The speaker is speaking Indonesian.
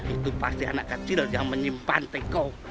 itu pasti anak kecil yang menyimpan teko